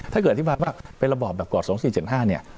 ถ้าเกิดอธิบายว่าเป็นระบอบแบบกรอดสองสี่เจ็ดห้าเนี้ย